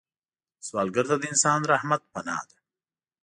سوالګر ته د انسان رحمت پناه ده